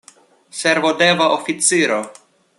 Servodeva oficiro.